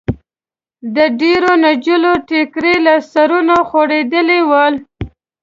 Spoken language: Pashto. د ډېریو نجونو ټیکري له سرونو خوېدلي ول.